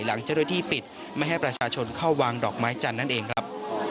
หลังเจ้าหน้าที่ปิดไม่ให้ประชาชนเข้าวางดอกไม้จันทร์นั่นเองครับ